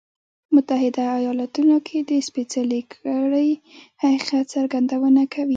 په متحده ایالتونو کې د سپېڅلې کړۍ حقیقت څرګندونه کوي.